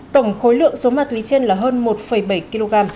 tổng khối lượng số ma túy trên là hơn một bảy kg